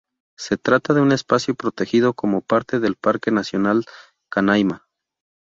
Se trata de un espacio protegido como Parte del Parque nacional Canaima.